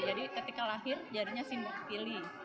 jadi ketika lahir jarinya simetri